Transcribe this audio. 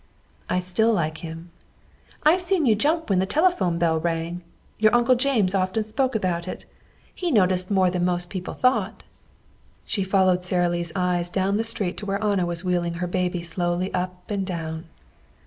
"I still like him." "I've seen you jump when the telephone bell rang. Your Uncle James often spoke about it. He noticed more than most people thought." She followed Sara Lee's eyes down the street to where Anna was wheeling her baby slowly up and down.